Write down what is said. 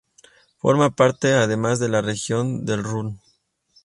Forma parte además de la Región del Ruhr.